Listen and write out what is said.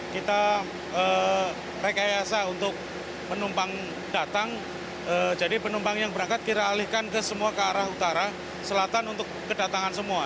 kita rekayasa untuk penumpang datang jadi penumpang yang berangkat kita alihkan ke semua ke arah utara selatan untuk kedatangan semua